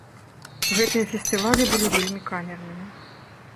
Гэтыя фестывалі былі вельмі камернымі.